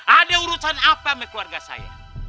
ada urusan apa sama keluarga saya